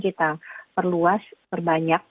kita perluas perbanyak